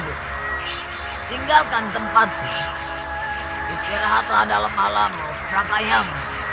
disiratlah dalam alamu raka'iyam